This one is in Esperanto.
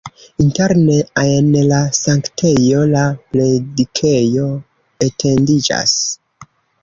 Interne en la sanktejo la predikejo etendiĝas.